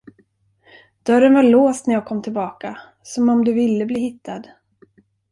Dörren var låst när jag kom tillbaka, som om du ville bli hittad.